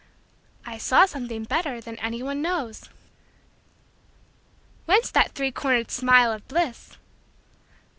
I saw something better than any one knows. Whence that three corner'd smile of bliss?